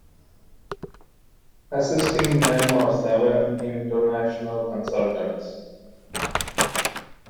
Assisting them are seven international consultants.